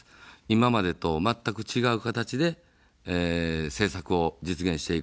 今までと全く違う形で政策を実現していく。